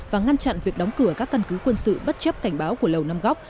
và ngăn chặn việc đóng cửa các căn cứ quân sự bất chấp cảnh báo của lầu năm góc